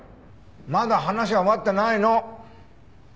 まだ話は終わってないの。